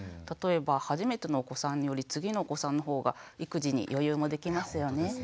例えば初めてのお子さんより次のお子さんのほうが育児に余裕もできますよね。